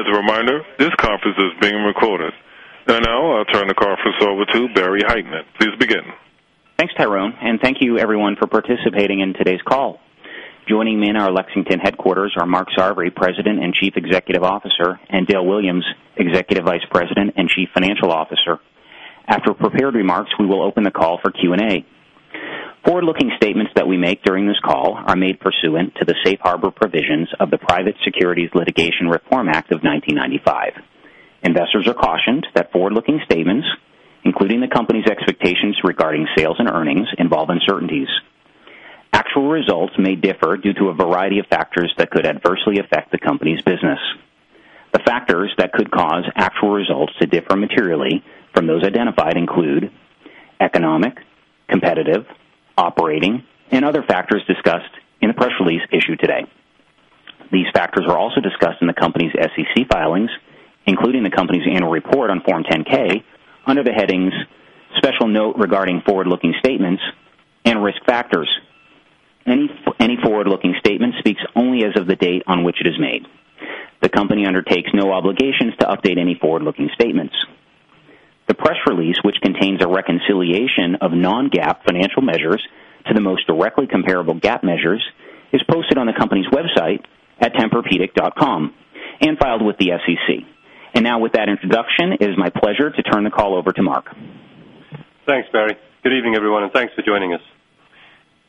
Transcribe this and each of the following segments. As a reminder, this conference is being recorded. I will now turn the conference over to Barry Hytinen. Please begin. Thanks, Tyrone, and thank you, everyone, for participating in today's call. Joining me in our Lexington headquarters are Mark Sarvary, President and Chief Executive Officer, and Dale Williams, Executive Vice President and Chief Financial Officer. After prepared remarks, we will open the call for Q&A. Forward-looking statements that we make during this call are made pursuant to the Safe Harbor provisions of the Private Securities Litigation Reform Act of 1995. Investors are cautioned that forward-looking statements, including the company's expectations regarding sales and earnings, involve uncertainties. Actual results may differ due to a variety of factors that could adversely affect the company's business. The factors that could cause actual results to differ materially from those identified include economic, competitive, operating, and other factors discussed in a press release issued today. These factors were also discussed in the company's SEC filings, including the company's annual report on Form 10-K, under the headings "Special Note Regarding Forward-Looking Statements" and "Risk Factors." Any forward-looking statement speaks only as of the date on which it is made. The company undertakes no obligations to update any forward-looking statements. The press release, which contains a reconciliation of non-GAAP financial measures to the most directly comparable GAAP measures, is posted on the company's website at tempurpedic.com and filed with the SEC. With that introduction, it is my pleasure to turn the call over to Mark. Thanks, Barry. Good evening, everyone, and thanks for joining us.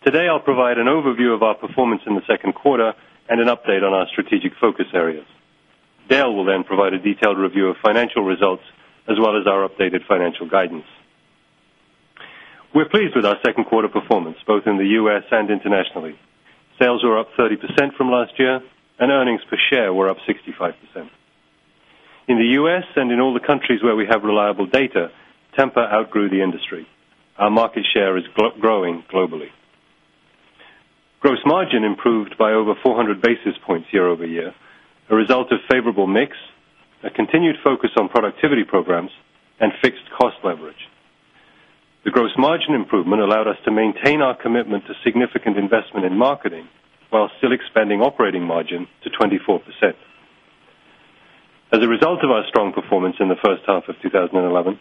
Today, I'll provide an overview of our performance in the second quarter and an update on our strategic focus areas. Dale will then provide a detailed review of financial results, as well as our updated financial guidance. We're pleased with our second-quarter performance, both in the U.S. and internationally. Sales were up 30% from last year, and earnings per share were up 65%. In the U.S. and in all the countries where we have reliable data, Tempur-Pedic outgrew the industry. Our market share is growing globally. Gross margin improved by over 400 basis points year-over-year, a result of a favorable mix, a continued focus on productivity programs, and fixed-cost leverage. The gross margin improvement allowed us to maintain our commitment to significant investment in marketing while still expanding operating margin to 24%. As a result of our strong performance in the first half of 2011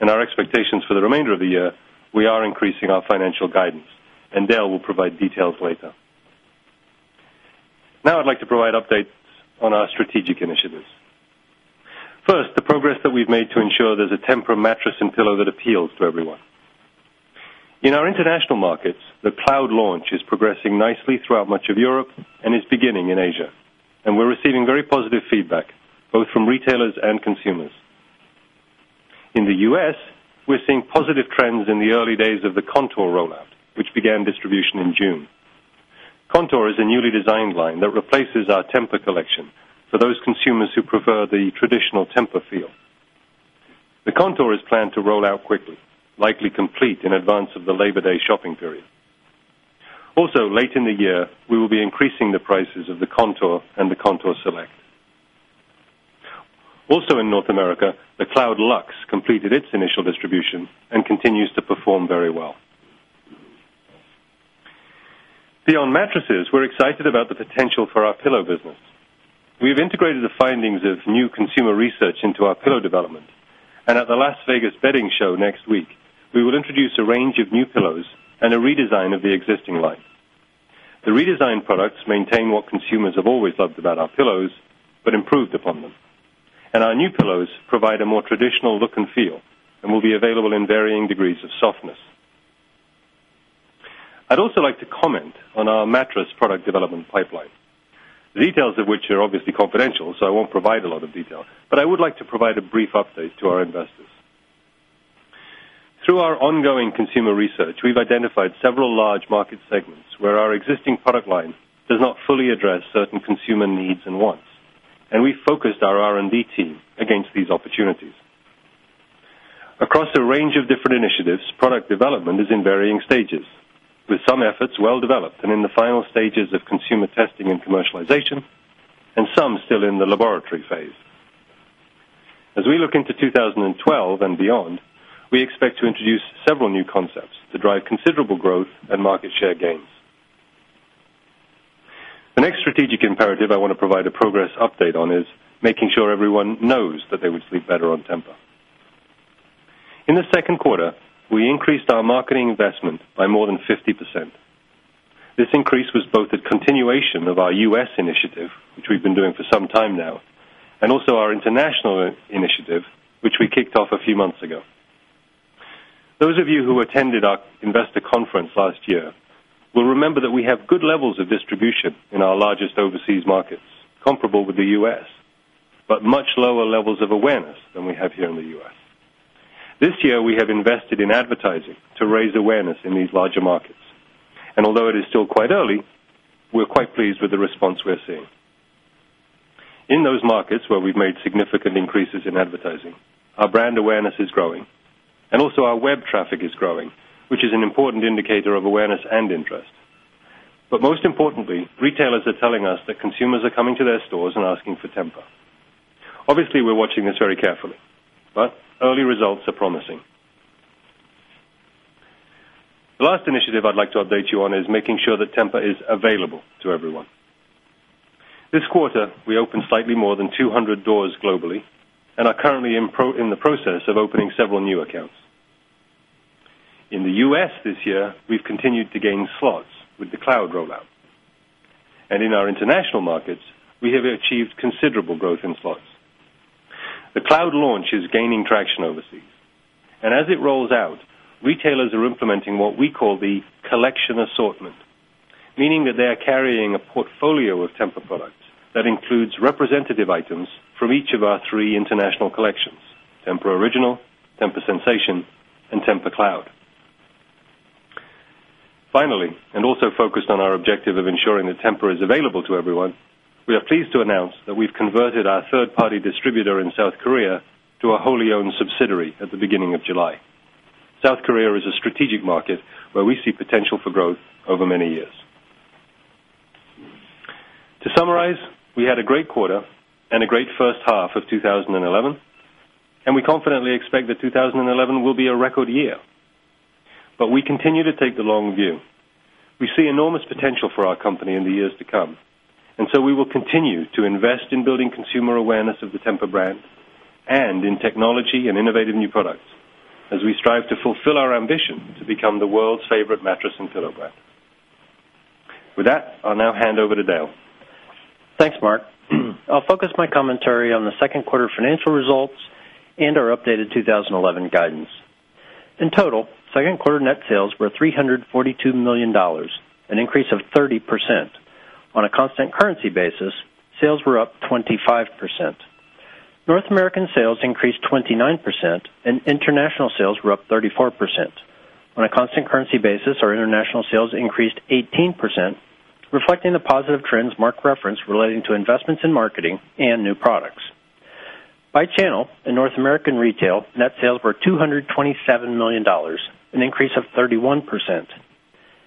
and our expectations for the remainder of the year, we are increasing our financial guidance, and Dale will provide details later. Now, I'd like to provide updates on our strategic initiatives. First, the progress that we've made to ensure there's a Tempur-Pedic mattress and pillow that appeals to everyone. In our international markets, the Cloud collection launch is progressing nicely throughout much of Europe and is beginning in Asia, and we're receiving very positive feedback, both from retailers and consumers. In the U.S., we're seeing positive trends in the early days of the Contour line rollout, which began distribution in June. Contour is a newly designed line that replaces our traditional Tempur-Pedic collection for those consumers who prefer the traditional Tempur-Pedic feel. The Contour is planned to roll out quickly, likely complete in advance of the Labor Day shopping period. Also, late in the year, we will be increasing the prices of the Contour and the Contour Select. Also, in North America, the Cloud Lux completed its initial distribution and continues to perform very well. Beyond mattresses, we're excited about the potential for our pillow business. We've integrated the findings of new consumer research into our pillow development, and at the Las Vegas bedding show next week, we will introduce a range of new pillows and a redesign of the existing line. The redesigned products maintain what consumers have always loved about our pillows, but improved upon them. Our new pillows provide a more traditional look and feel and will be available in varying degrees of softness. I would also like to comment on our mattress product development pipeline, the details of which are obviously confidential, so I won't provide a lot of detail. I would like to provide a brief update to our investors. Through our ongoing consumer research, we've identified several large market segments where our existing product line does not fully address certain consumer needs and wants, and we've focused our R&D team against these opportunities. Across a range of different initiatives, product development is in varying stages, with some efforts well-developed and in the final stages of consumer testing and commercialization, and some still in the laboratory phase. As we look into 2012 and beyond, we expect to introduce several new concepts to drive considerable growth and market share gains. The next strategic imperative I want to provide a progress update on is making sure everyone knows that they would sleep better on Tempur-Pedic. In the second quarter, we increased our marketing investment by more than 50%. This increase was both a continuation of our U.S. initiative, which we've been doing for some time now, and also our international initiative, which we kicked off a few months ago. Those of you who attended our investor conference last year will remember that we have good levels of distribution in our largest overseas markets, comparable with the U.S., but much lower levels of awareness than we have here in the U.S. This year, we have invested in advertising to raise awareness in these larger markets, and although it is still quite early, we're quite pleased with the response we're seeing. In those markets where we've made significant increases in advertising, our brand awareness is growing, and also our web traffic is growing, which is an important indicator of awareness and interest. Most importantly, retailers are telling us that consumers are coming to their stores and asking forTempur-Pedic. Obviously, we're watching this very carefully, but early results are promising. The last initiative I'd like to update you on is making sure that Tempur-Pedic is available to everyone. This quarter, we opened slightly more than 200 doors globally and are currently in the process of opening several new accounts. In the U.S. this year, we've continued to gain slots with the Cloud collection rollout. In our international markets, we have achieved considerable growth in slots. The Cloud launch is gaining traction overseas, and as it rolls out, retailers are implementing what we call the collection assortment, meaning that they are carrying a portfolio of Tempur-Pedic International products that includes representative items from each of our three international collections:Tempur-Pedic Original, Tempur-Pedic Sensation, and Tempur-Pedic Cloud. Finally, also focused on our objective of ensuring that Tempur-Pedic is available to everyone, we are pleased to announce that we've converted our third-party distributor in South Korea to a wholly owned subsidiary at the beginning of July. South Korea is a strategic market where we see potential for growth over many years. To summarize, we had a great quarter and a great first half of 2011, and we confidently expect that 2011 will be a record year. We continue to take the long view. We see enormous potential for our company in the years to come, and we will continue to invest in building consumer awareness of the Tempur-Pedic brand and in technology and innovative new products as we strive to fulfill our ambition to become the world's favorite mattress and pillow brand. With that, I'll now hand over to Dale. Thanks, Mark. I'll focus my commentary on the second quarter financial results and our updated 2011 guidance. In total, second quarter net sales were $342 million, an increase of 30%. On a constant currency basis, sales were up 25%. North American sales increased 29%, and international sales were up 34%. On a constant currency basis, our international sales increased 18%, reflecting the positive trends Mark referenced relating to investments in marketing and new products. By channel, in North American retail, net sales were $227 million, an increase of 31%.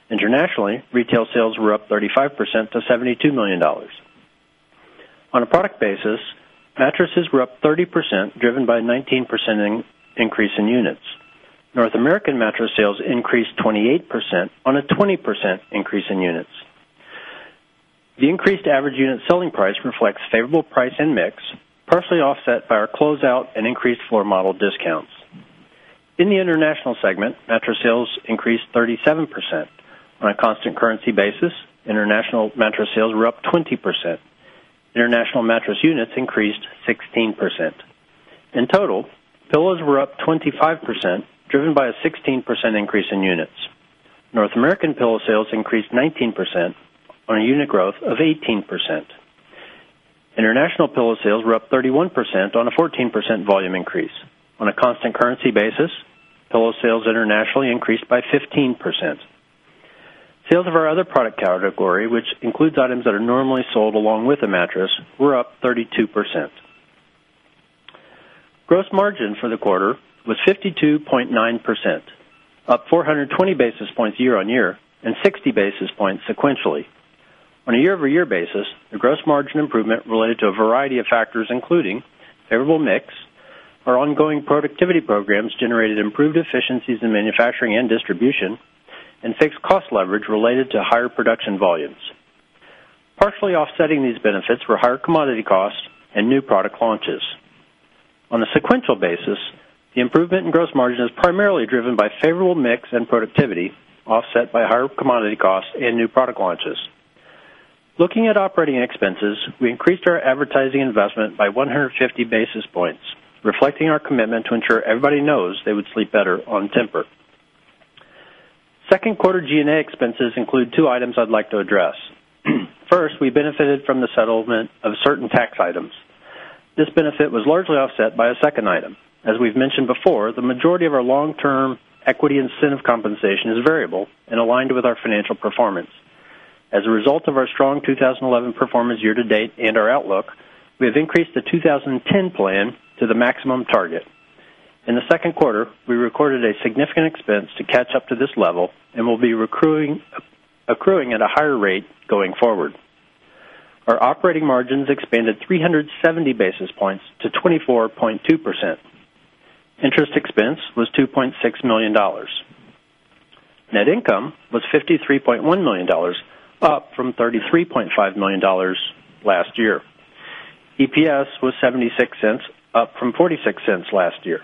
Internationally, retail sales were up 35% to $72 million. On a product basis, mattresses were up 30%, driven by a 19% increase in units. North American mattress sales increased 28% on a 20% increase in units. The increased average unit selling price reflects favorable price and mix, partially offset by our closeout and increased floor model discounts. In the international segment, mattress sales increased 37%. On a constant currency basis, international mattress sales were up 20%. International mattress units increased 16%. In total, pillows were up 25%, driven by a 16% increase in units. North American pillow sales increased 19% on a unit growth of 18%. International pillow sales were up 31% on a 14% volume increase. On a constant currency basis, pillow sales internationally increased by 15%. Sales of our other product category, which includes items that are normally sold along with a mattress, were up 32%. Gross margin for the quarter was 52.9%, up 420 basis points year on year and 60 basis points sequentially. On a year-over-year basis, the gross margin improvement related to a variety of factors, including favorable mix, our ongoing productivity programs generated improved efficiencies in manufacturing and distribution, and fixed-cost leverage related to higher production volumes. Partially offsetting these benefits were higher commodity costs and new product launches. On a sequential basis, the improvement in gross margin is primarily driven by favorable mix and productivity, offset by higher commodity costs and new product launches. Looking at operating expenses, we increased our advertising investment by 150 basis points, reflecting our commitment to ensure everybody knows they would sleep better on Tempur-Pedic International. Second quarter G&A expenses include two items I'd like to address. First, we benefited from the settlement of certain tax items. This benefit was largely offset by a second item. As we've mentioned before, the majority of our long-term equity incentive compensation is variable and aligned with our financial performance. As a result of our strong 2011 performance year to date and our outlook, we have increased the 2010 plan to the maximum target. In the second quarter, we recorded a significant expense to catch up to this level and will be accruing at a higher rate going forward. Our operating margins expanded 370 basis points to 24.2%. Interest expense was $2.6 million. Net income was $53.1 million, up from $33.5 million last year. EPS was $0.76, up from $0.46 last year.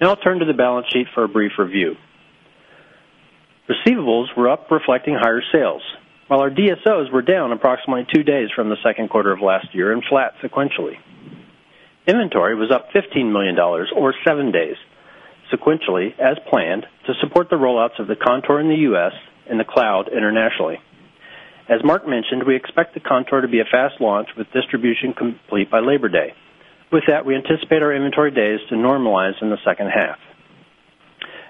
Now I'll turn to the balance sheet for a brief review. Receivables were up, reflecting higher sales, while our DSOs were down approximately two days from the second quarter of last year and flat sequentially. Inventory was up $15 million, or seven days, sequentially as planned to support the rolluts of the Contour in the U.S. and the Cloud internationally. As Mark mentioned, we expect the Contour to be a fast launch with distribution complete by Labor Day. With that, we anticipate our inventory days to normalize in the second half.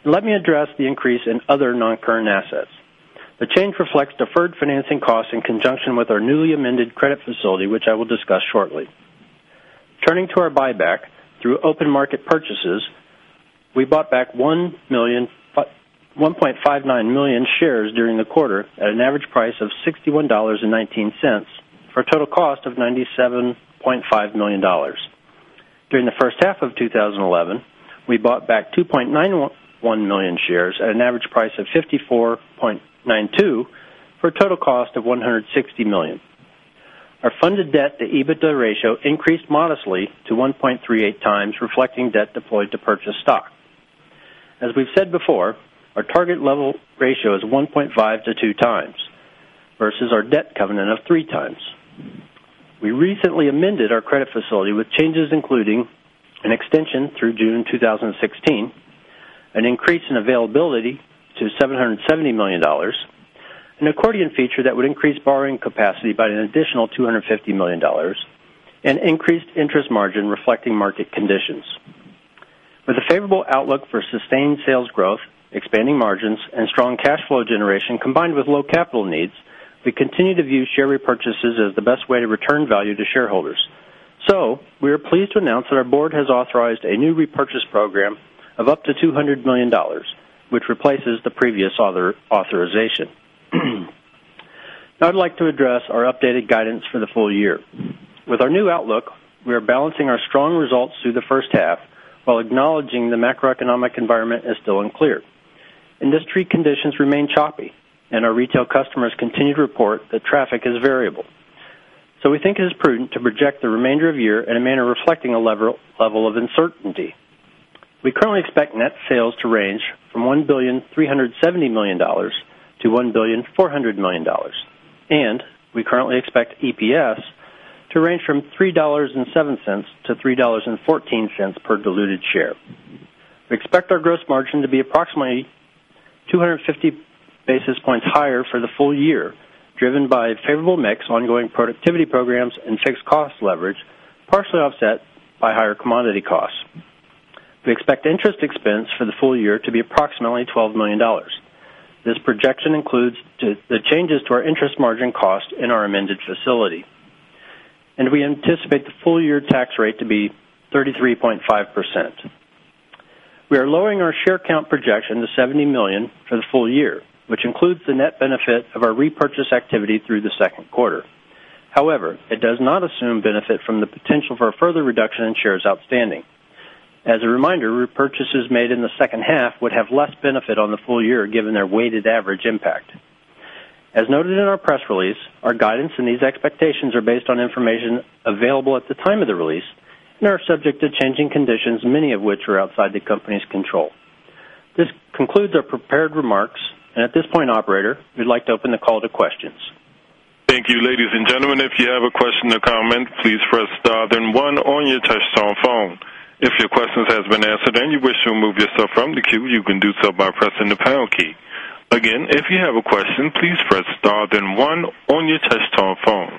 Let me address the increase in other non-current assets. The change reflects deferred financing costs in conjunction with our newly amended credit facility, which I will discuss shortly. Turning to our buyback through open market purchases, we bought back 1.59 million shares during the quarter at an average price of $61.19 for a total cost of $97.5 million. During the first half of 2011, we bought back 2.91 million shares at an average price of $54.92 for a total cost of $160 million. Our funded debt, the EBITDA ratio, increased modestly to 1.38 times, reflecting debt deployed to purchase stock. As we've said before, our target level ratio is 1.5x-2x versus our debt covenant of 3x. We recently amended our credit facility with changes including an extension through June 2016, an increase in availability to $770 million, an accordion feature that would increase borrowing capacity by an additional $250 million, and increased interest margin, reflecting market conditions. With a favorable outlook for sustained sales growth, expanding margins, and strong cash flow generation combined with low capital needs, we continue to view share repurchases as the best way to return value to shareholders. We are pleased to announce that our board has authorized a new repurchase program of up to $200 million, which replaces the previous authorization. Now I'd like to address our updated guidance for the full year. With our new outlook, we are balancing our strong results through the first half while acknowledging the macroeconomic environment is still unclear. Industry conditions remain choppy, and our retail customers continue to report that traffic is variable. We think it is prudent to project the remainder of the year in a manner reflecting a level of uncertainty. We currently expect net sales to range from $1,370 million to $1,400 million, and we currently expect EPS to range from $3.07 to $3.14 per diluted share. We expect our gross margin to be approximately 250 basis points higher for the full year, driven by a favorable mix, ongoing productivity programs, and fixed-cost leverage, partially offset by higher commodity costs. We expect interest expense for the full year to be approximately $12 million. This projection includes the changes to our interest margin cost in our amended facility. We anticipate the full-year tax rate to be 33.5%. We are lowering our share count projection to 70 million for the full year, which includes the net benefit of our repurchase activity through the second quarter. However, it does not assume benefit from the potential for a further reduction in shares outstanding. As a reminder, repurchases made in the second half would have less benefit on the full year, given their weighted average impact. As noted in our press release, our guidance and these expectations are based on information available at the time of the release and are subject to changing conditions, many of which are outside the company's control. This concludes our prepared remarks. At this point, operator, we'd like to open the call to questions. Thank you, ladies and gentlemen. If you have a question or comment, please press star then one on your touch-tone phone. If your question has been answered and you wish to remove yourself from the queue, you can do so by pressing the pound key. Again, if you have a question, please press star then one on your touch-tone phone.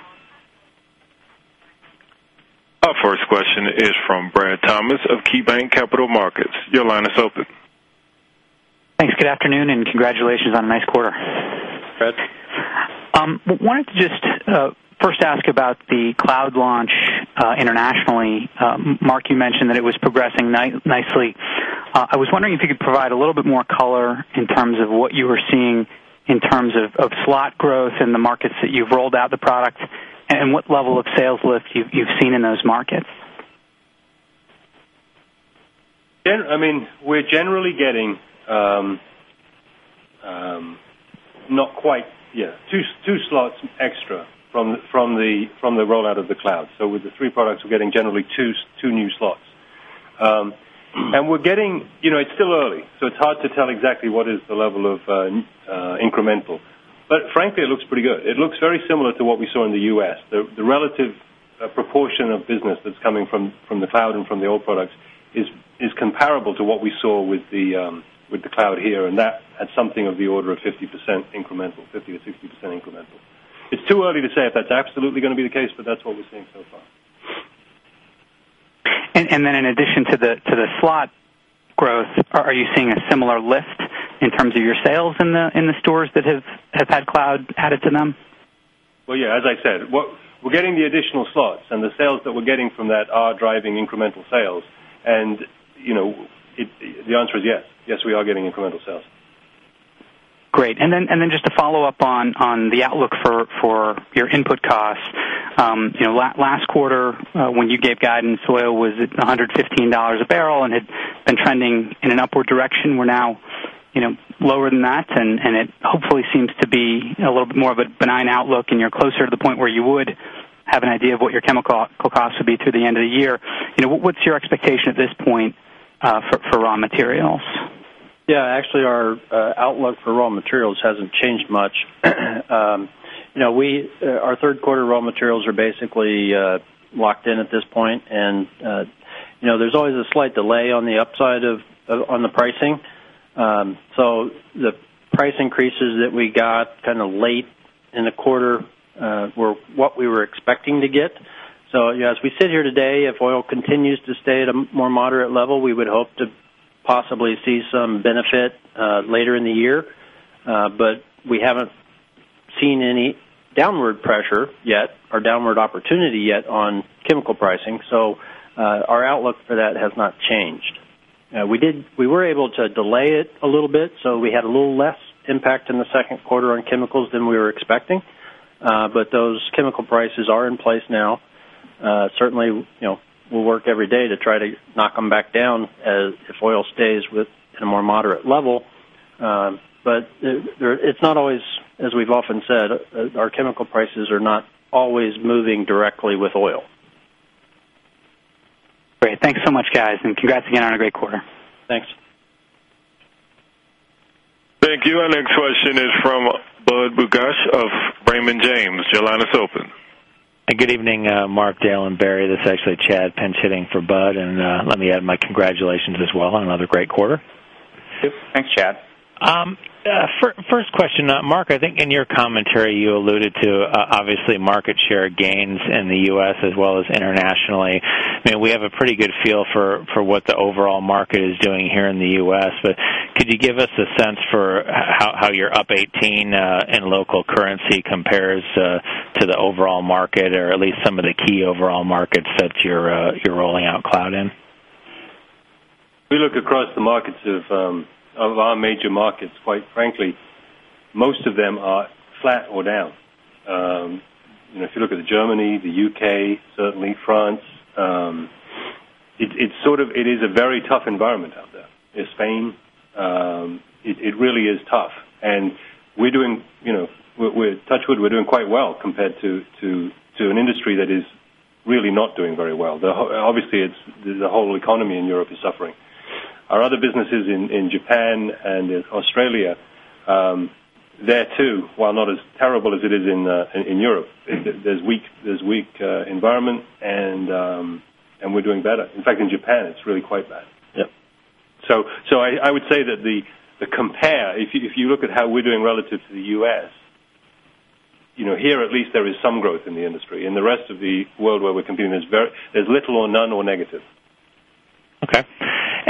Our first question is from Brad Thomas of KeyBanc Capital Markets. Your line is open. Thanks. Good afternoon and congratulations on a nice quarter. Brad. I wanted to just first ask about the Cloud launch internationally. Mark, you mentioned that it was progressing nicely. I was wondering if you could provide a little bit more color in terms of what you were seeing in terms of slot growth in the markets that you've rolled out the product and what level of sales lift you've seen in those markets. Yeah. I mean, we're generally getting not quite, yeah, two slots extra from the rollout of the Cloud. With the three products, we're getting generally two new slots. It's still early, so it's hard to tell exactly what is the level of incremental. Frankly, it looks pretty good. It looks very similar to what we saw in the U.S. The relative proportion of business that's coming from the Cloud and from the old products is comparable to what we saw with the Cloud here, and that's something of the order of 50% incremental, 50%-60% incremental. It's too early to say if that's absolutely going to be the case, but that's what we're seeing so far. In addition to the slot growth, are you seeing a similar lift in terms of your sales in the stores that have had Cloud added to them? As I said, we're getting the additional slots, and the sales that we're getting from that are driving incremental sales. You know, the answer is yes. Yes, we are getting incremental sales. Great. Just to follow up on the outlook for your input costs, last quarter when you gave guidance, oil was at $115 a barrel and had been trending in an upward direction. We're now lower than that, and it hopefully seems to be a little bit more of a benign outlook, and you're closer to the point where you would have an idea of what your chemical costs would be through the end of the year. What's your expectation at this point for raw materials? Yeah, actually, our outlook for raw materials hasn't changed much. Our third-quarter raw materials are basically locked in at this point, and there's always a slight delay on the upside on the pricing. The price increases that we got kind of late in the quarter were what we were expecting to get. As we sit here today, if oil continues to stay at a more moderate level, we would hope to possibly see some benefit later in the year. We haven't seen any downward pressure yet or downward opportunity yet on chemical pricing, so our outlook for that has not changed. We were able to delay it a little bit, so we had a little less impact in the second quarter on chemicals than we were expecting. Those chemical prices are in place now. Certainly, we'll work every day to try to knock them back down if oil stays at a more moderate level. It's not always, as we've often said, our chemical prices are not always moving directly with oil. Great. Thanks so much, guys, and congrats again on a great quarter. Thanks. Thank you. Our next question is from Bud Bugash of Raymond James. Your line is open. Hi. Good evening, Mark, Dale, and Barry. That's actually Chad pinch hitting for Bud, and let me add my congratulations as well on another great quarter. Thank you. Thanks, Chad. First question, Mark, I think in your commentary, you alluded to obviously market share gains in the U.S. as well as internationally. I mean, we have a pretty good feel for what the overall market is doing here in the U.S., but could you give us a sense for how your UP18 in local currency compares to the overall market or at least some of the key overall markets that you're rolling out Cloud in? We look across the markets of our major markets. Quite frankly, most of them are flat or down. If you look at Germany, the UK, certainly France, it is a very tough environment out there. Spain, it really is tough. We're doing, touch wood, we're doing quite well compared to an industry that is really not doing very well. Obviously, the whole economy in Europe is suffering. Our other businesses in Japan and Australia, they're too, while not as terrible as it is in Europe, there's a weak environment, and we're doing better. In fact, in Japan, it's really quite bad. Yeah. I would say that the compare, if you look at how we're doing relative to the U.S., here at least there is some growth in the industry. In the rest of the world where we're competing, there's little or none or negative. Okay.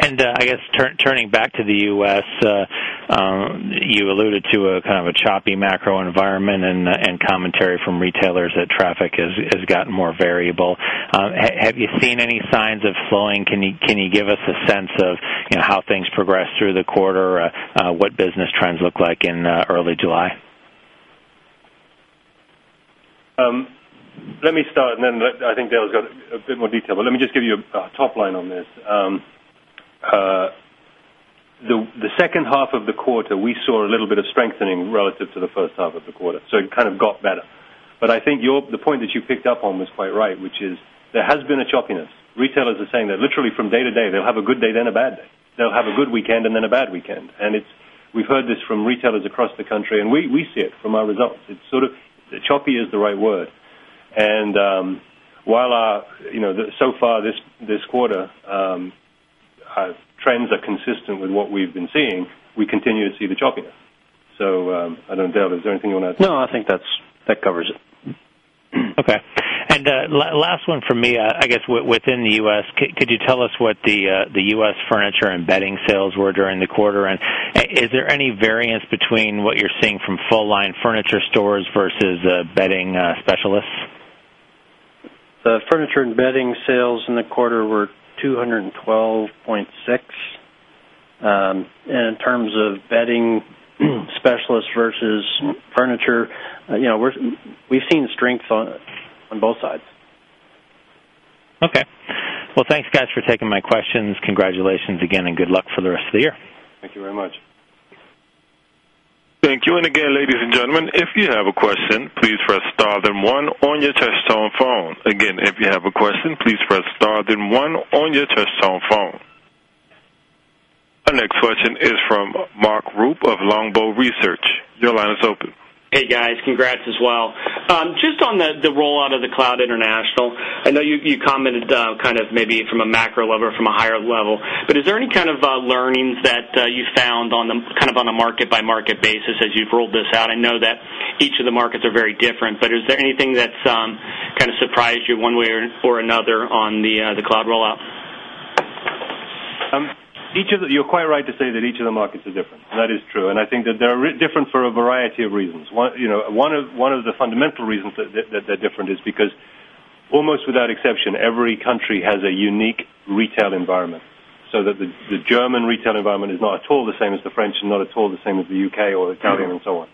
I guess turning back to the U.S., you alluded to a kind of a choppy macro environment, and commentary from retailers that traffic has gotten more variable. Have you seen any signs of slowing? Can you give us a sense of how things progress through the quarter, what business trends look like in early July? Let me start, and then I think Dale's got a bit more detail, but let me just give you a top line on this. The second half of the quarter, we saw a little bit of strengthening relative to the first half of the quarter, so it kind of got better. I think the point that you picked up on was quite right, which is there has been a choppiness. Retailers are saying that literally from day to day, they'll have a good day, then a bad day. They'll have a good weekend and then a bad weekend. We've heard this from retailers across the country, and we see it from our results. It's sort of choppy is the right word. While so far this quarter, trends are consistent with what we've been seeing, we continue to see the choppiness. I don't know, Dale, is there anything you want to add? No, I think that covers it. Okay. Last one from me, I guess within the U.S., could you tell us what the U.S. furniture and bedding sales were during the quarter? Is there any variance between what you're seeing from full-line furniture stores versus bedding specialists? Furniture and bedding sales in the quarter were $212.6 million. In terms of bedding specialists versus furniture, we've seen strength on both sides. Okay. Thank you, guys, for taking my questions. Congratulations again, and good luck for the rest of the year. Thank you very much. Thank you. If you have a question, please press star then one on your touch-tone phone. If you have a question, please press star then one on your touch-tone phone. Our next question is from Mark Rupe of Longbow Research. Your line is open. Hey, guys, congrats as well. Just on the rollout of the Cloud International, I know you commented kind of maybe from a macro level or from a higher level, but is there any kind of learnings that you found on a market-by-market basis as you've rolled this out? I know that each of the markets are very different, but is there anything that's surprised you one way or another on the Cloud rollout? You're quite right to say that each of the markets are different. That is true. I think that they're different for a variety of reasons. One of the fundamental reasons that they're different is because almost without exception, every country has a unique retail environment. The German retail environment is not at all the same as the French and not at all the same as the UK or Italian and so on.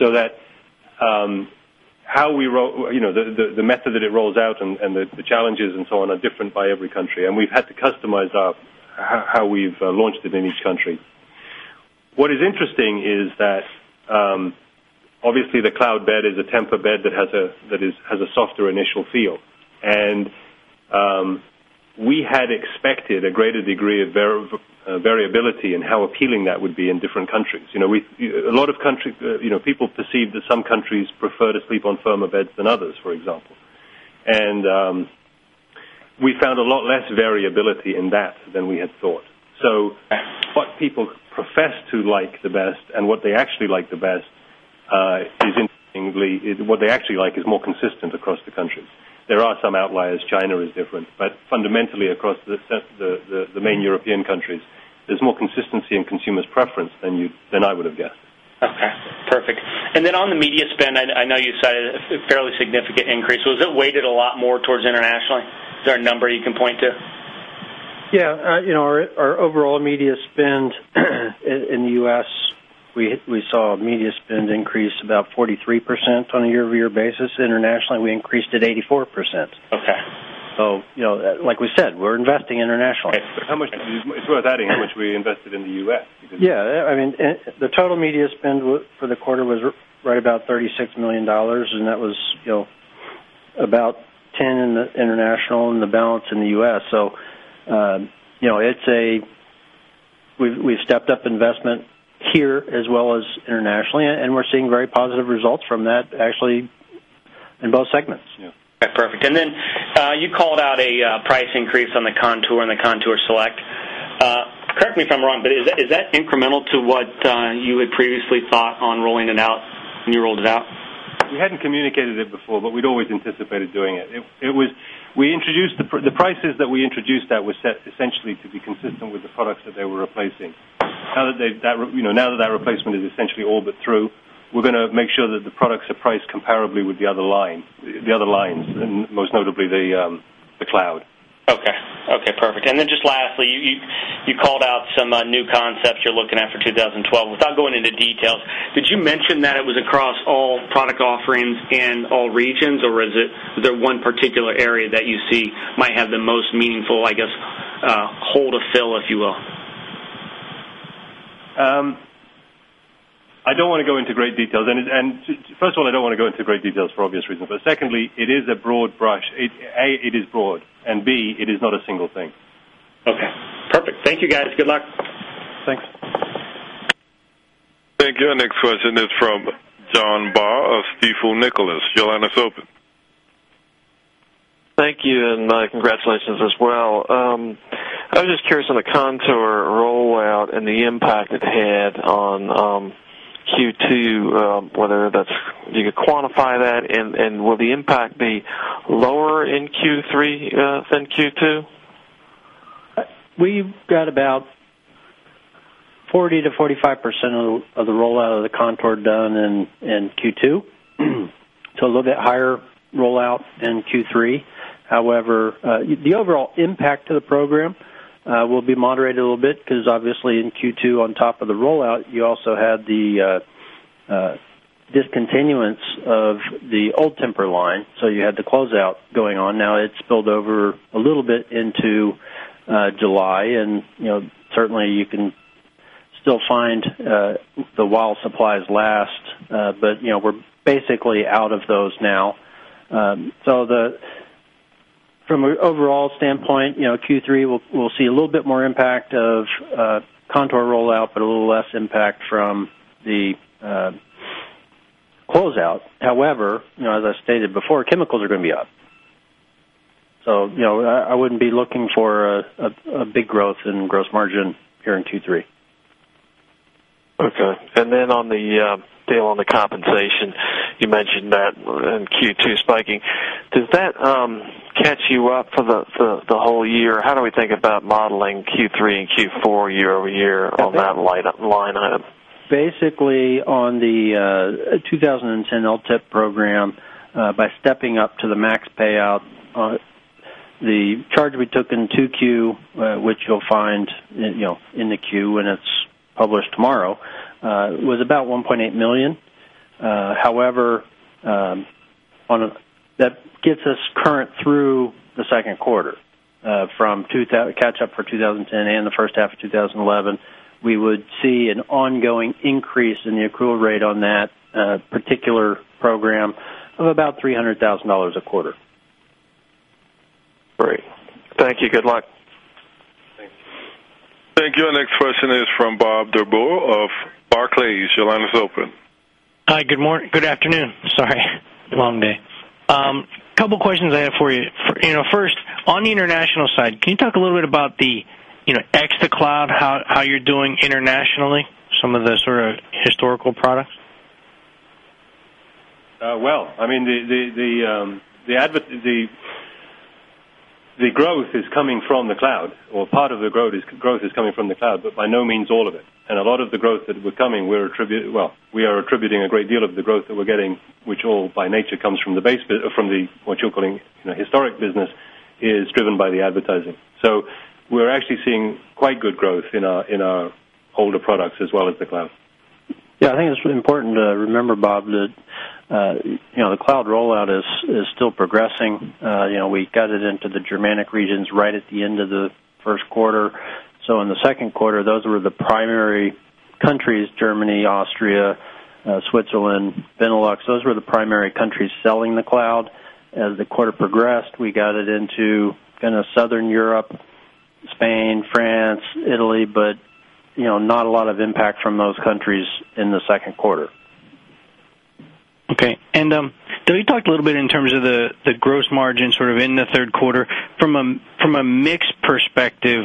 The method that it rolls out and the challenges are different by every country, and we've had to customize how we've launched it in each country. What is interesting is that obviously the Cloud bed is a Tempur-Pedic bed that has a softer initial feel. We had expected a greater degree of variability in how appealing that would be in different countries. A lot of countries, people perceive that some countries prefer to sleep on firmer beds than others, for example. We found a lot less variability in that than we had thought. What people profess to like the best and what they actually like the best is interestingly, what they actually like is more consistent across the countries. There are some outliers. China is different. Fundamentally, across the main European countries, there's more consistency in consumers' preference than I would have guessed. Okay. Perfect. On the media spend, I know you cited a fairly significant increase. Was it weighted a lot more towards internationally? Is there a number you can point to? Yeah, you know, our overall media spend in the U.S., we saw a media spend increase about 43% on a year-over-year basis. Internationally, we increased it 84%. Okay. As we said, we're investing internationally. How much? It's worth adding how much we invested in the U.S. Yeah. I mean, the total media spend for the quarter was right about $36 million, and that was, you know, about $10 million in the international and the balance in the U.S. It's a we've stepped up investment here as well as internationally, and we're seeing very positive results from that, actually, in both segments. Okay. Perfect. You called out a price increase on the Contour and the Contour Select. Correct me if I'm wrong, but is that incremental to what you had previously thought on rolling it out when you rolled it out? We hadn't communicated it before, but we'd always anticipated doing it. We introduced the prices that we introduced that were set essentially to be consistent with the products that they were replacing. Now that that replacement is essentially all but through, we're going to make sure that the products are priced comparably with the other lines, most notably the Cloud. Okay. Perfect. Lastly, you called out some new concepts you're looking at for 2012. Without going into detail, did you mention that it was across all product offerings in all regions, or is there one particular area that you see might have the most meaningful, I guess, hold to fill, if you will? I don't want to go into great details. First of all, I don't want to go into great details for obvious reasons. Secondly, it is a broad brush. It is broad, and it is not a single thing. Okay. Perfect. Thank you, guys. Good luck. Thanks. Thank you. Our next question is from John Baugh of Stifel Nicolaus. Your line is open. Thank you, and congratulations as well. I was just curious on the Contour rollout and the impact it had on Q2, whether you could quantify that, and will the impact be lower in Q3 than Q2? We've got about 40% to 45% of the rollout of the Contour done in Q2. We'll get higher rollout in Q3. However, the overall impact to the program will be moderated a little bit because obviously in Q2, on top of the rollout, you also had the discontinuance of the old Tempur line, so you had the closeout going on. Now it's spilled over a little bit into July, and you can still find the while supplies last, but we're basically out of those now. From an overall standpoint, Q3 will see a little bit more impact of Contour rollout, but a little less impact from the closeout. However, as I stated before, chemicals are going to be up. I wouldn't be looking for a big growth in gross margin here in Q3. Okay. On the compensation, you mentioned that in Q2 spiking. Does that catch you up for the whole year, or how do we think about modeling Q3 and Q4 year-over-year on that line item? Basically, on the 2010 LTEP program, by stepping up to the max payout, the charge we took in Q2, which you'll find in the queue when it's published tomorrow, was about $1.8 million. However, that gets us current through the second quarter. From catch up for 2010 and the first half of 2011, we would see an ongoing increase in the accrual rate on that particular program of about $300,000 a quarter. Great. Thank you. Good luck. Thanks. Thank you. Our next question is from Bob Drbul of Barclays. Your line is open. Hi. Good morning. Good afternoon. Sorry. Long day. A couple of questions I have for you. First, on the international side, can you talk a little bit about the, you know, Cloud collection, how you're doing internationally, some of the sort of historical products? The growth is coming from the Cloud, or part of the growth is coming from the Cloud, but by no means all of it. A lot of the growth that we're coming, we are attributing a great deal of the growth that we're getting, which all by nature comes from the base, from what you're calling, you know, historic business, is driven by the advertising. We're actually seeing quite good growth in our older products as well as the Cloud. Yeah. I think it's really important to remember, Bob, that, you know, the Cloud rollout is still progressing. We got it into the Germanic regions right at the end of the first quarter. In the second quarter, those were the primary countries: Germany, Austria, Switzerland, Benelux. Those were the primary countries selling the Cloud. As the quarter progressed, we got it into kind of Southern Europe, Spain, France, Italy, but not a lot of impact from those countries in the second quarter. Okay. Dale, you talked a little bit in terms of the gross margin in the third quarter. From a mix perspective,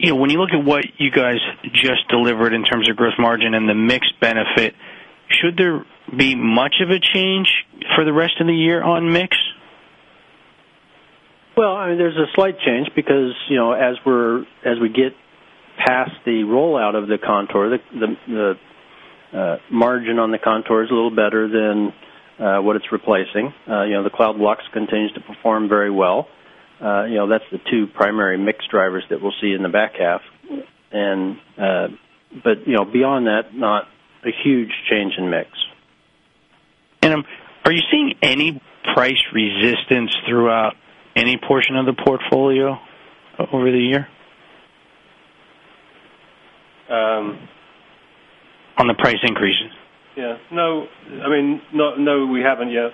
when you look at what you guys just delivered in terms of gross margin and the mix benefit, should there be much of a change for the rest of the year on mix? I mean, there's a slight change because, you know, as we get past the rollout of the Contour, the margin on the Contour is a little better than what it's replacing. You know, the Cloud Lux continues to perform very well. That's the two primary mix drivers that we'll see in the back half. Beyond that, not a huge change in mix. Are you seeing any price resistance throughout any portion of the portfolio over the year? On the price increases? Yeah. No, we haven't yet.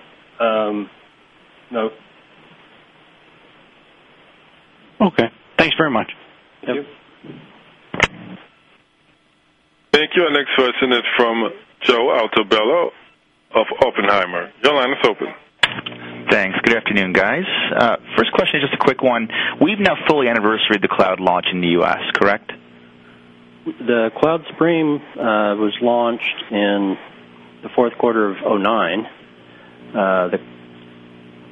Okay, thanks very much. Yep. Thank you. Our next question is from Joe Altobello of Oppenheimer. Your line is open. Thanks. Good afternoon, guys. First question is just a quick one. We've now fully anniversaried the Cloud launch in the U.S., correct? The Cloud Supreme was launched in the fourth quarter of 2009.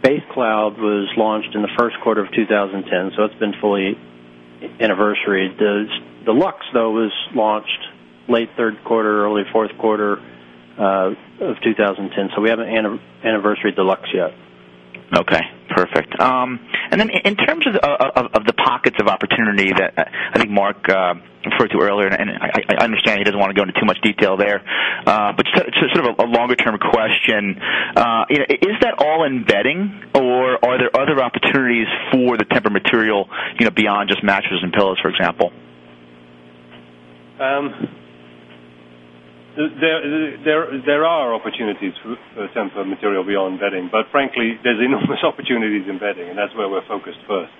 The Base Cloud was launched in the first quarter of 2010, so it's been fully anniversaried. The Lux, though, was launched late third quarter, early fourth quarter of 2010, so we haven't anniversaried the Lux yet. Okay. Perfect. In terms of the pockets of opportunity that I think Mark referred to earlier, I understand he doesn't want to go into too much detail there, but it's sort of a longer-term question. Is that all in bedding, or are there other opportunities for the Tempur-Pedic material, you know, beyond just mattresses and pillows, for example? There are opportunities for Tempur-Pedic International material beyond bedding, but frankly, there's enormous opportunities in bedding, and that's where we're focused first.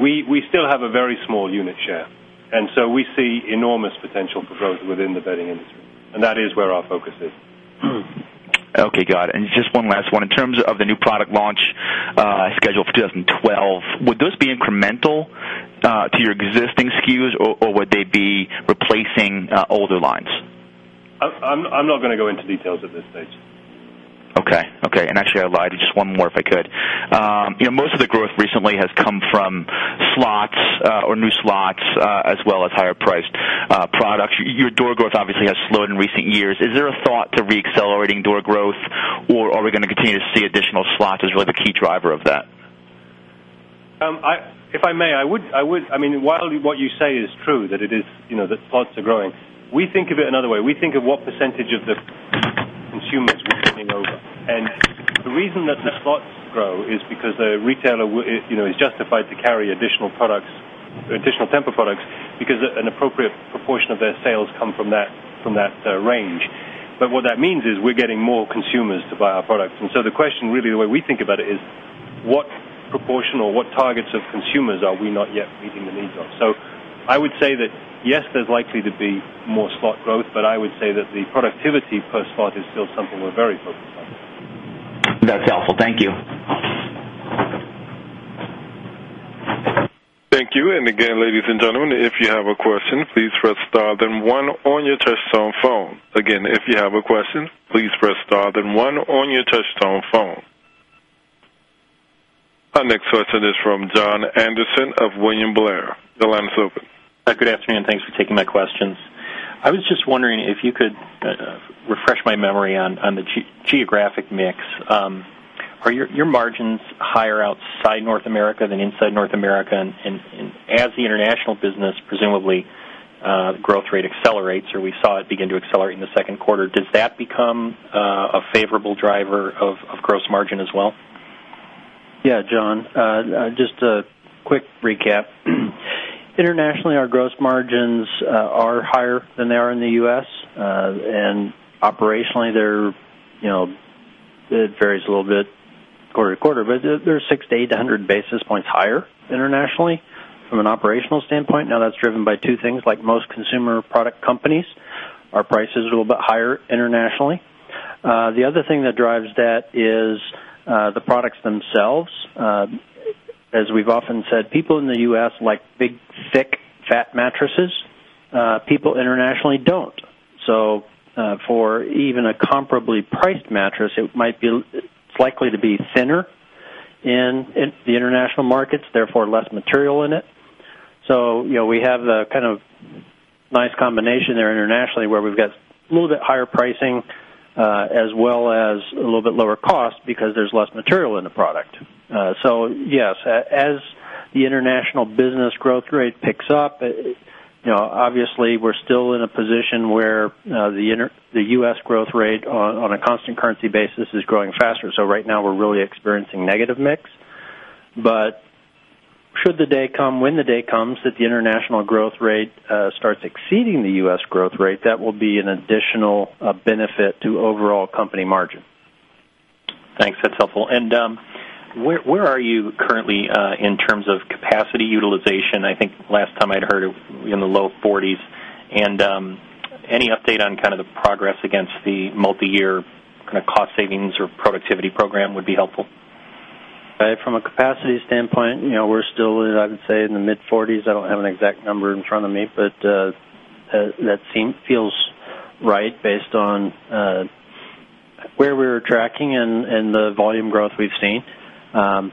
We still have a very small unit share, and we see enormous potential for growth within the bedding industry, and that is where our focus is. Okay. Got it. Just one last one. In terms of the new product launch scheduled for 2012, would those be incremental to your existing SKUs, or would they be replacing older lines? I'm not going to go into details at this stage. Okay. Actually, just one more if I could. You know, most of the growth recently has come from slots or new slots as well as higher-priced products. Your door growth obviously has slowed in recent years. Is there a thought to re-accelerating door growth, or are we going to continue to see additional slots as really the key driver of that? If I may, while what you say is true that the slots are growing, we think of it another way. We think of what % of the consumers will be moving over. The reason that the slots grow is because the retailer is justified to carry additional products, additional Tempur-Pedic International products, because an appropriate proportion of their sales come from that range. What that means is we're getting more consumers to buy our products. The question really, the way we think about it, is what proportion or what targets of consumers are we not yet meeting the needs of? I would say that, yes, there's likely to be more slot growth, but I would say that the productivity per slot is still something we're very focused on. That's helpful. Thank you. Thank you. If you have a question, please press star then one on your touch-tone phone. If you have a question, please press star then one on your touch-tone phone. Our next question is from John Andersen of William Blair. Your line is open. Good afternoon. Thanks for taking my questions. I was just wondering if you could refresh my memory on the geographic mix. Are your margins higher outside North America than inside North America? As the international business, presumably, the growth rate accelerates, or we saw it begin to accelerate in the second quarter, does that become a favorable driver of gross margin as well? Yeah, John. Just a quick recap. Internationally, our gross margins are higher than they are in the U.S., and operationally, they're, you know, it varies a little bit quarter to quarter, but they're 600 to 800 basis points higher internationally from an operational standpoint. That's driven by two things. Like most consumer product companies, our price is a little bit higher internationally. The other thing that drives that is the products themselves. As we've often said, people in the U.S. like big, thick, fat mattresses. People internationally don't. For even a comparably priced mattress, it might be, it's likely to be thinner in the international markets, therefore less material in it. We have the kind of nice combination there internationally where we've got a little bit higher pricing as well as a little bit lower cost because there's less material in the product. Yes, as the international business growth rate picks up, obviously, we're still in a position where the U.S. growth rate on a constant currency basis is growing faster. Right now, we're really experiencing negative mix. Should the day come, when the day comes, that the international growth rate starts exceeding the U.S. growth rate, that will be an additional benefit to overall company margin. Thanks. That's helpful. Where are you currently in terms of capacity utilization? I think last time I'd heard it in the low 40%. Any update on the progress against the multi-year cost savings or productivity program would be helpful. From a capacity standpoint, you know, we're still, I would say, in the mid-40s. I don't have an exact number in front of me, but that seems, feels right based on where we were tracking and the volume growth we've seen. On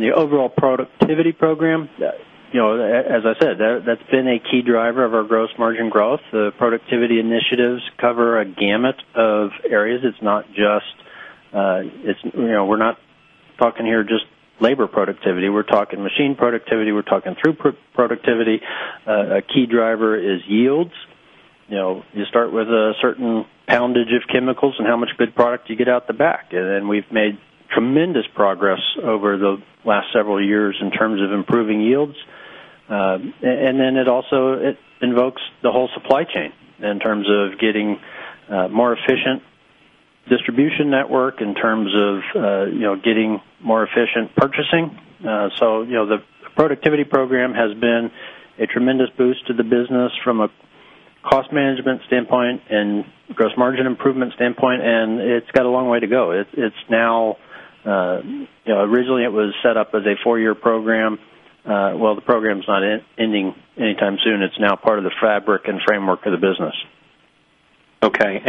the overall productivity program, as I said, that's been a key driver of our gross margin growth. The productivity initiatives cover a gamut of areas. It's not just, you know, we're not talking here just labor productivity. We're talking machine productivity. We're talking through productivity. A key driver is yields. You start with a certain poundage of chemicals and how much good product you get out the back. We've made tremendous progress over the last several years in terms of improving yields. It also invokes the whole supply chain in terms of getting more efficient distribution network, in terms of getting more efficient purchasing. The productivity program has been a tremendous boost to the business from a cost management standpoint and gross margin improvement standpoint, and it's got a long way to go. Originally, it was set up as a four-year program. The program's not ending anytime soon. It's now part of the fabric and framework of the business. Okay.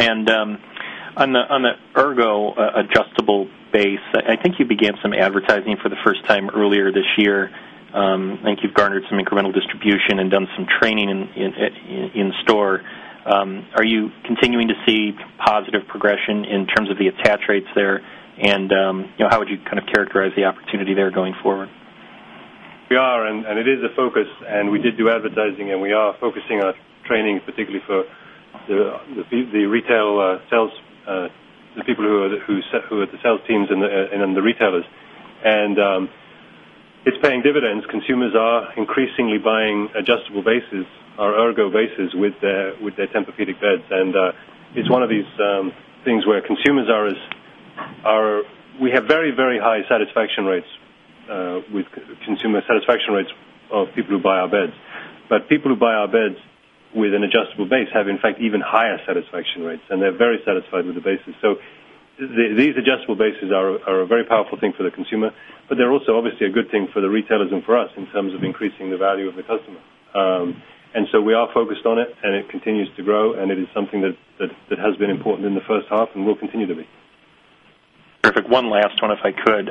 On the Ergo adjustable base, I think you began some advertising for the first time earlier this year. I think you've garnered some incremental distribution and done some training in store. Are you continuing to see positive progression in terms of the attach rates there? How would you kind of characterize the opportunity there going forward? We are, and it is a focus. We did do advertising, and we are focusing on training, particularly for the retail sales, the people who are the sales teams and the retailers. It is paying dividends. Consumers are increasingly buying adjustable bases, our Ergo bases with their Tempur-Pedic International beds. It is one of these things where consumers are, as we have very, very high satisfaction rates with consumer satisfaction rates of people who buy our beds. People who buy our beds with an adjustable base have, in fact, even higher satisfaction rates, and they are very satisfied with the bases. These adjustable bases are a very powerful thing for the consumer, but they are also obviously a good thing for the retailers and for us in terms of increasing the value of the customer. We are focused on it, and it continues to grow, and it is something that has been important in the first half and will continue to be. Perfect. One last one, if I could.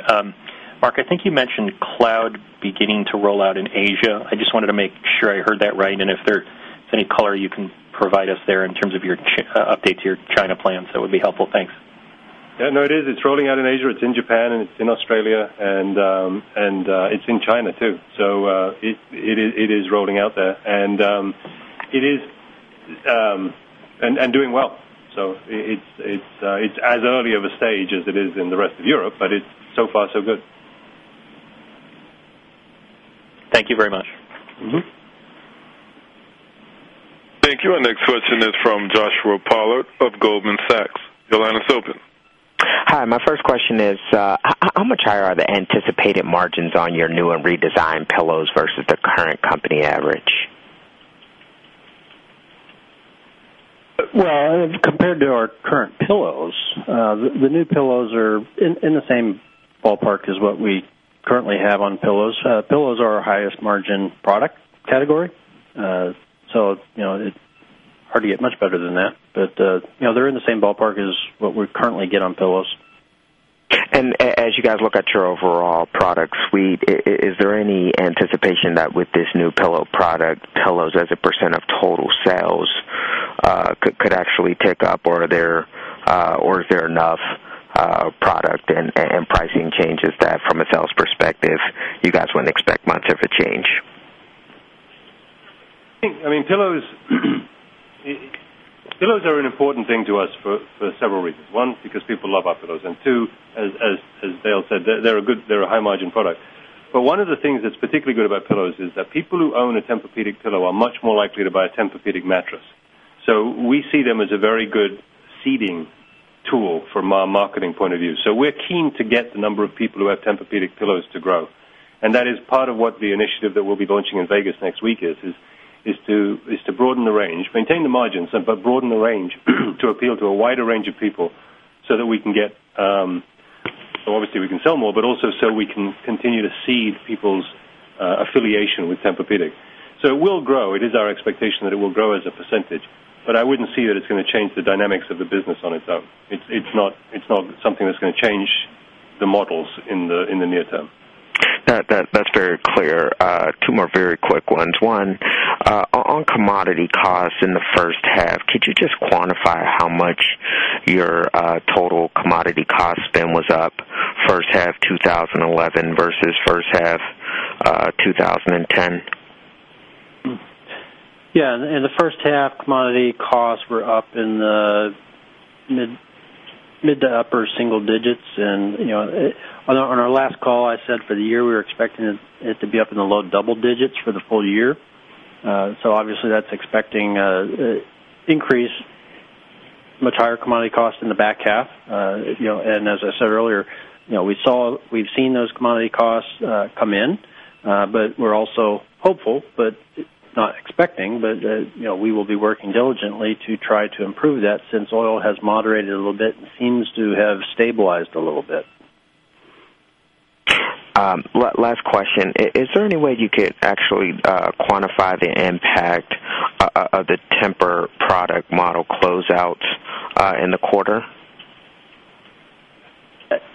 Mark, I think you mentioned Cloud beginning to roll out in Asia. I just wanted to make sure I heard that right. If there's any color you can provide us there in terms of your update to your China plans, that would be helpful. Thanks. Yeah. No, it is. It's rolling out in Asia. It's in Japan, and it's in Australia, and it's in China too. It is rolling out there, and it is doing well. It is as early of a stage as it is in the rest of Europe, but it's so far so good. Thank you very much. Thank you. Our next question is from Joshua Pollard of Goldman Sachs. Your line is open. Hi. My first question is, how much higher are the anticipated margins on your new and redesigned pillows versus the current company average? Compared to our current pillows, the new pillows are in the same ballpark as what we currently have on pillows. Pillows are our highest margin product category. It's hard to get much better than that, but they're in the same ballpark as what we currently get on pillows. As you guys look at your overall product suite, is there any anticipation that with this new pillow product, pillows as a % of total sales could actually tick up, or is there enough product and pricing changes that from a sales perspective, you guys wouldn't expect much of a change? I think pillows are an important thing to us for several reasons. One, because people love our pillows, and two, as Dale said, they're a good, they're a high-margin product. One of the things that's particularly good about pillows is that people who own a Tempur-Pedic International pillow are much more likely to buy a Tempur-Pedic International mattress. We see them as a very good seeding tool from our marketing point of view. We're keen to get the number of people who have Tempur-Pedic International pillows to grow. That is part of what the initiative that we'll be launching in Vegas next week is, to broaden the range, maintain the margins, but broaden the range to appeal to a wider range of people so that we can get, obviously, we can sell more, but also so we can continue to seed people's affiliation with Tempur-Pedic International. It will grow. It is our expectation that it will grow as a percentage, but I wouldn't see that it's going to change the dynamics of the business on its own. It's not something that's going to change the models in the near term. That's very clear. Two more very quick ones. One, on commodity costs in the first half, could you just quantify how much your total commodity cost spend was up first half 2011 versus first half 2010? In the first half, commodity costs were up in the mid to upper single digits. On our last call, I said for the year we were expecting it to be up in the low double digits for the full year. Obviously, that's expecting an increase, much higher commodity costs in the back half. As I said earlier, we've seen those commodity costs come in, but we're also hopeful, not expecting, but we will be working diligently to try to improve that since oil has moderated a little bit and seems to have stabilized a little bit. Last question. Is there any way you could actually quantify the impact of the product model closeout in the quarter?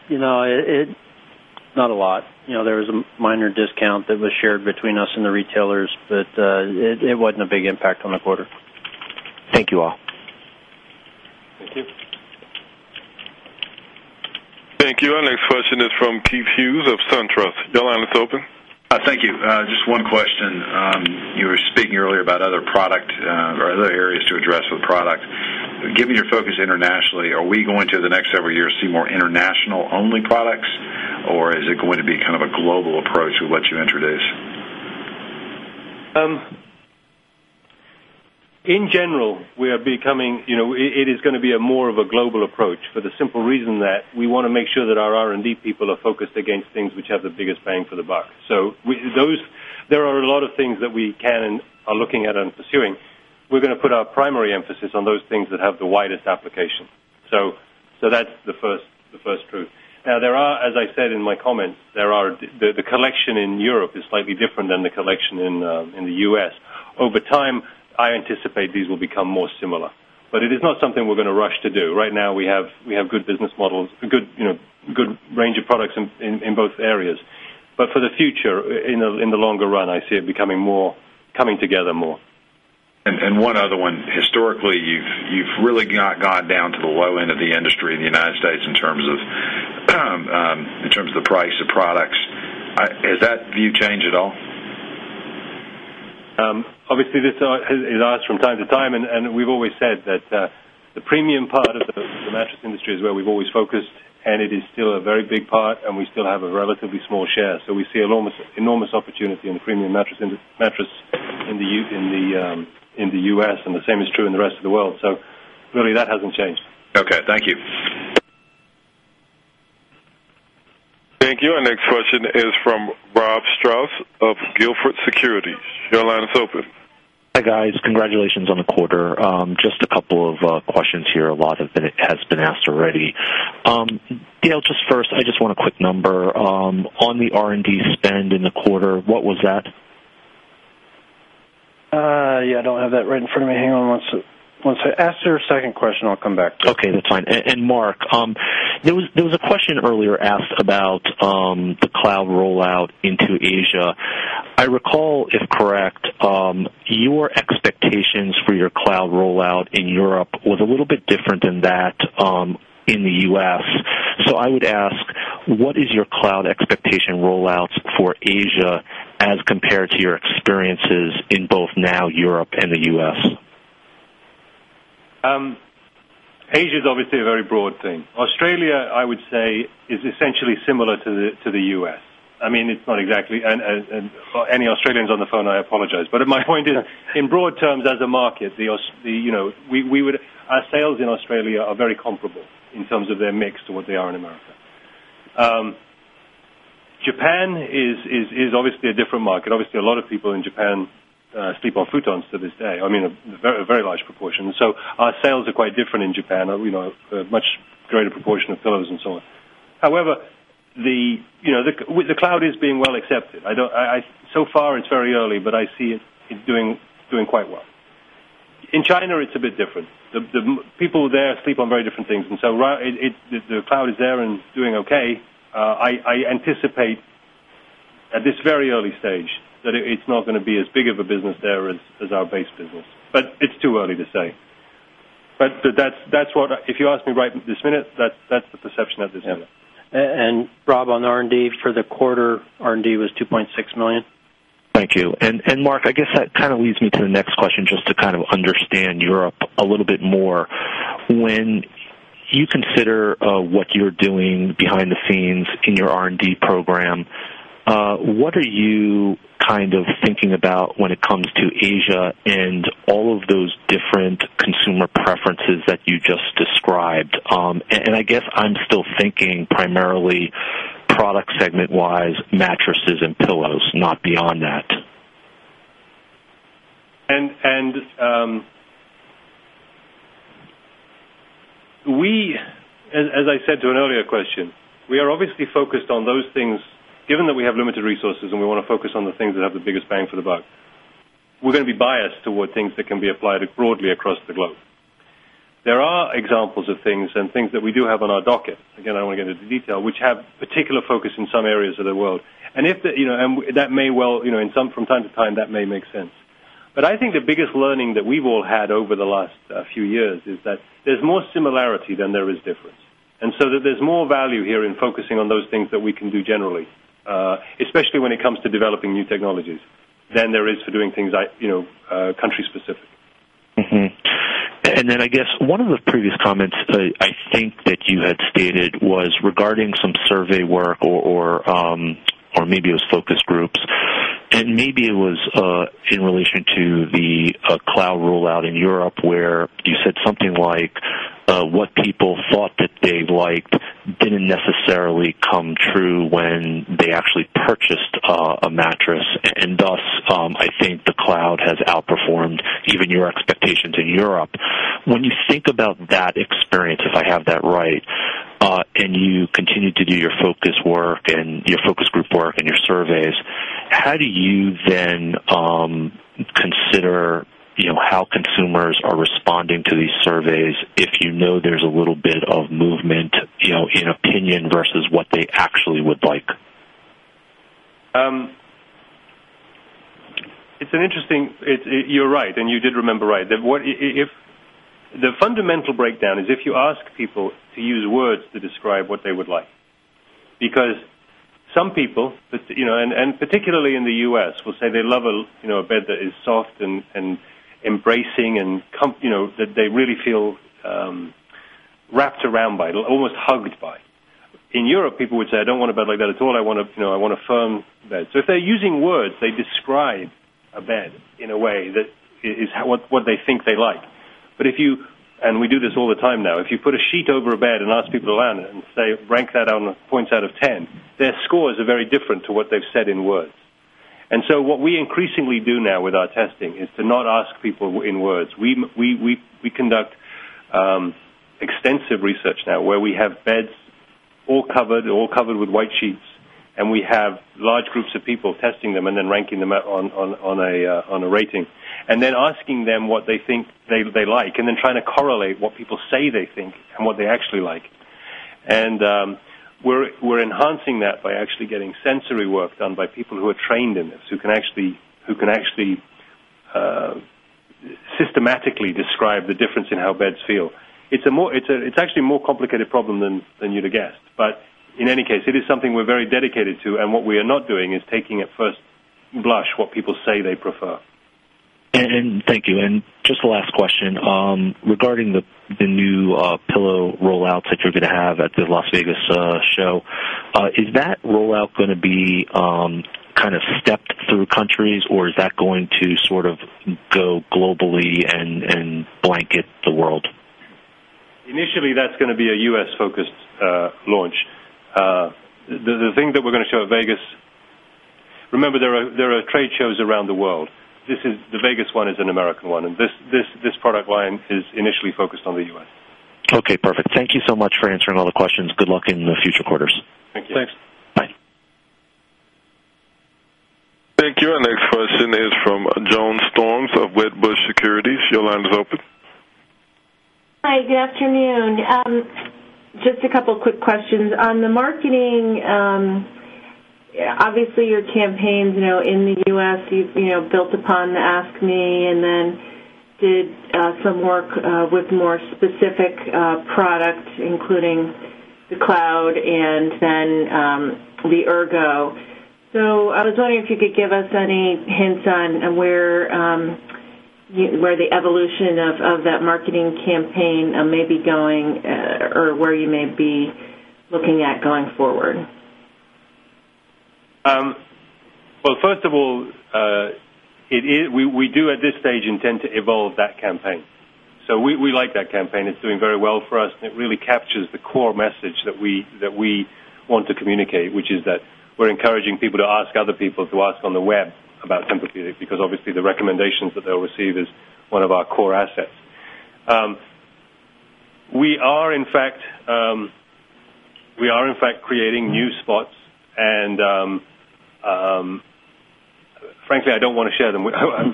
You know, not a lot. There was a minor discount that was shared between us and the retailers, but it wasn't a big impact on the quarter. Thank you all. Thank you. Our next question is from Keith Hughes of Raymond James. Your line is open. Hi. Thank you. Just one question. You were speaking earlier about other product or other areas to address with product. Given your focus internationally, are we going to, in the next several years, see more international-only products, or is it going to be kind of a global approach with what you introduce? In general, we are becoming, you know, it is going to be more of a global approach for the simple reason that we want to make sure that our R&D people are focused against things which have the biggest bang for the buck. There are a lot of things that we can and are looking at and pursuing. We're going to put our primary emphasis on those things that have the widest application. That's the first truth. Now, there are, as I said in my comments, the collection in Europe is slightly different than the collection in the U.S. Over time, I anticipate these will become more similar. It is not something we're going to rush to do. Right now, we have good business models, a good range of products in both areas. For the future, in the longer run, I see it becoming more, coming together more. One other one. Historically, you've really got down to the low end of the industry in the United States in terms of the price of products. Has that view changed at all? Obviously, this is ours from time to time, and we've always said that the premium part of the mattress industry is where we've always focused, and it is still a very big part, and we still have a relatively small share. We see an enormous opportunity in the premium mattress in the U.S., and the same is true in the rest of the world. That hasn't changed. Okay. Thank you. Thank you. Our next question is from Rob Straus of Guilford Securities. Your line is open. Hi, guys. Congratulations on the quarter. Just a couple of questions here. A lot has been asked already. First, I just want a quick number. On the R&D spend in the quarter, what was that? Yeah, I don't have that right in front of me. Hang on. Once I ask your second question, I'll come back to it. Okay. That's fine. There was a question earlier asked about the Cloud rollout into Asia. I recall, if correct, your expectations for your Cloud rollout in Europe were a little bit different than that in the U.S. I would ask, what is your Cloud expectation rollout for Asia as compared to your experiences in both now Europe and the U.S.? Asia is obviously a very broad thing. Australia, I would say, is essentially similar to the U.S. I mean, it's not exactly, and any Australians on the phone, I apologize. My point is, in broad terms, as a market, our sales in Australia are very comparable in terms of their mix to what they are in America. Japan is obviously a different market. Obviously, a lot of people in Japan sleep on futons to this day. I mean, a very large proportion. Our sales are quite different in Japan, you know, a much greater proportion of pillows and so on. However, the Cloud collection is being well accepted. It's very early, but I see it's doing quite well. In China, it's a bit different. The people there sleep on very different things. The Cloud collection is there and doing okay. I anticipate at this very early stage that it's not going to be as big of a business there as our base business, but it's too early to say. If you ask me right this minute, that's the perception at this moment. On R&D for the quarter, R&D was $2.6 million. Thank you. Mark, I guess that leads me to the next question, just to understand Europe a little bit more. When you consider what you're doing behind the scenes in your R&D program, what are you thinking about when it comes to Asia and all of those different consumer preferences that you just described? I guess I'm still thinking primarily product segment-wise, mattresses and pillows, not beyond that. As I said to an earlier question, we are obviously focused on those things, given that we have limited resources and we want to focus on the things that have the biggest bang for the buck. We are going to be biased toward things that can be applied broadly across the globe. There are examples of things that we do have on our docket. I don't want to get into detail, which have a particular focus in some areas of the world. From time to time, that may make sense. I think the biggest learning that we've all had over the last few years is that there's more similarity than there is difference. There is more value here in focusing on those things that we can do generally, especially when it comes to developing new technologies, than there is for doing things country-specific. I guess one of the previous comments I think that you had stated was regarding some survey work or maybe it was focus groups. Maybe it was in relation to the Cloud rollout in Europe where you said something like what people thought that they liked didn't necessarily come true when they actually purchased a mattress. I think the Cloud has outperformed even your expectations in Europe. When you think about that experience, if I have that right, and you continue to do your focus work and your focus group work and your surveys, how do you then consider how consumers are responding to these surveys if you know there's a little bit of movement in opinion versus what they actually would like? It's interesting, you're right, and you did remember right that the fundamental breakdown is if you ask people to use words to describe what they would like. Some people, particularly in the U.S., will say they love a bed that is soft and embracing, that they really feel wrapped around by, almost hugged by. In Europe, people would say, "I don't want a bed like that at all. I want a firm bed." If they're using words, they describe a bed in a way that is what they think they like. If you put a sheet over a bed and ask people to lie on it and say, "Rank that on points out of 10," their scores are very different from what they've said in words. What we increasingly do now with our testing is to not ask people in words. We conduct extensive research now where we have beds all covered with white sheets, and we have large groups of people testing them and then ranking them on a rating. Then we ask them what they think they like, and try to correlate what people say they think and what they actually like. We're enhancing that by actually getting sensory work done by people who are trained in this, who can systematically describe the difference in how beds feel. It's actually a more complicated problem than you'd have guessed. In any case, it is something we're very dedicated to, and what we are not doing is taking at first blush what people say they prefer. Thank you. Just the last question. Regarding the new pillow rollouts that you're going to have at the Las Vegas show, is that rollout going to be kind of stepped through countries, or is that going to sort of go globally and blanket the world? Initially, that's going to be a U.S.-focused launch. The thing that we're going to show at Vegas, remember, there are trade shows around the world. The Vegas one is an American one, and this product line is initially focused on the U.S. Okay. Perfect. Thank you so much for answering all the questions. Good luck in the future quarters. Thank you. Thanks. Bye. Thank you. Our next question is from Joan Storms of Wedbush Securities. Your line is open. Hi. Good afternoon. Just a couple of quick questions. On the marketing, obviously, your campaigns in the U.S., you've built upon the Ask Me and then did some work with more specific products, including the Cloud and then the Ergo. I was wondering if you could give us any hints on where the evolution of that marketing campaign may be going or where you may be looking at going forward. First of all, we do at this stage intend to evolve that campaign. We like that campaign. It's doing very well for us, and it really captures the core message that we want to communicate, which is that we're encouraging people to ask other people to ask on the web about Tempur-Pedic International because obviously, the recommendations that they'll receive is one of our core assets. We are, in fact, creating new spots, and frankly, I don't want to share them.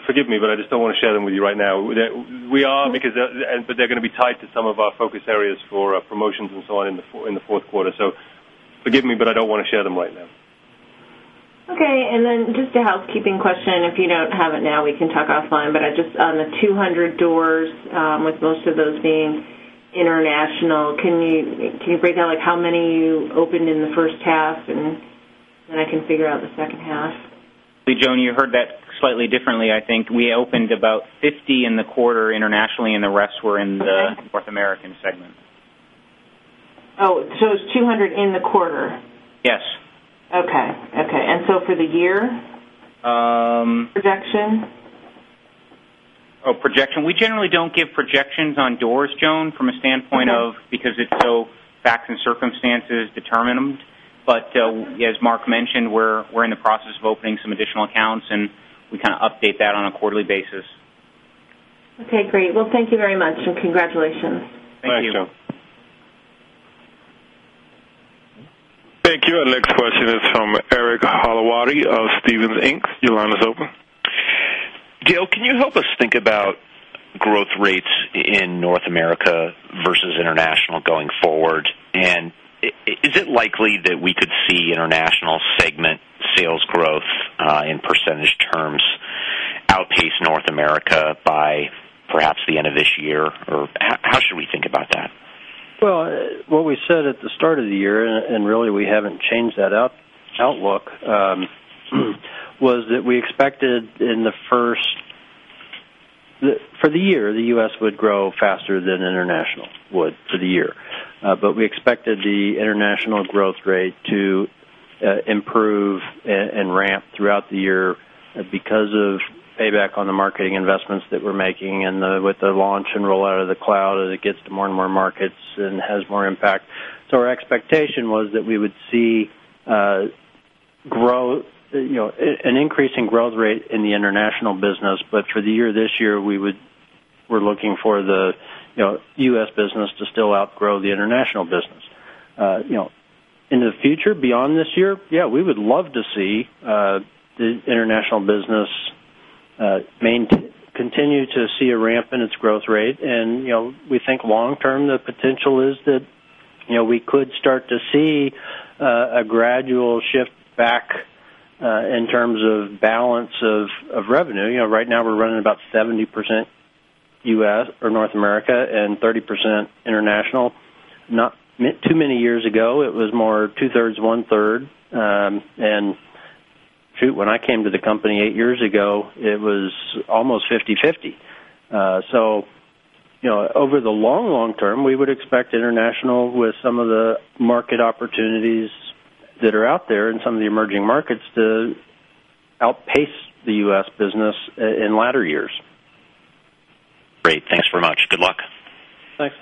Forgive me, but I just don't want to share them with you right now. They're going to be tied to some of our focus areas for promotions and so on in the fourth quarter. Forgive me, but I don't want to share them right now. Okay. Just a housekeeping question. If you don't have it now, we can talk offline, but on the 200 doors, with most of those being international, can you break down how many you opened in the first half, and then I can figure out the second half? Hey, Joan, you heard that slightly differently. I think we opened about 50 in the quarter internationally, and the rest were in the North American segment. Oh, so it's 200 in the quarter? Yes. Okay. Okay. For the year projection? Oh, projection. We generally don't give projections on doors, Joan, from a standpoint of because it's so facts and circumstances determined. As Mark mentioned, we're in the process of opening some additional accounts, and we kind of update that on a quarterly basis. Okay. Great. Thank you very much, and congratulations. Thank you. Thanks, Joan. Thank you. Our next question is from Eric Hollowaty of Stephens Inc. Your line is open. Dale, can you help us think about growth rates in North America versus international going forward? Is it likely that we could see international segment sales growth in % terms outpace North America by perhaps the end of this year, or how should we think about that? At the start of the year, and really, we haven't changed that outlook, we expected in the first for the year, the U.S. would grow faster than international would for the year. We expected the international growth rate to improve and ramp throughout the year because of payback on the marketing investments that we're making and with the launch and rollout of the Cloud as it gets to more and more markets and has more impact. Our expectation was that we would see an increase in growth rate in the international business, but for the year this year, we're looking for the U.S. business to still outgrow the international business. In the future, beyond this year, yeah, we would love to see the international business continue to see a ramp in its growth rate. We think long-term, the potential is that we could start to see a gradual shift back in terms of balance of revenue. Right now, we're running about 70% U.S. or North America and 30% international. Not too many years ago, it was more two-thirds, one-third. When I came to the company eight years ago, it was almost 50/50. Over the long, long term, we would expect international with some of the market opportunities that are out there in some of the emerging markets to outpace the U.S. business in latter years. Great. Thanks very much. Good luck. Thanks.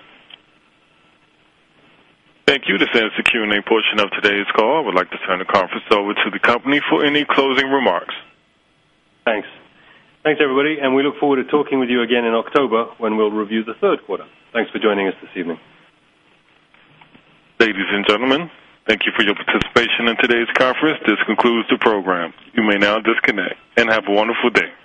Thank you. This ends the Q&A portion of today's call. I would like to turn the conference over to the company for any closing remarks. Thanks. Thanks, everybody. We look forward to talking with you again in October when we'll review the third quarter. Thanks for joining us this evening. Ladies and gentlemen, thank you for your participation in today's conference. This concludes the program. You may now disconnect and have a wonderful day.